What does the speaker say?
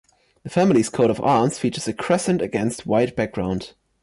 The family’s coat of arms features a crescent against white background.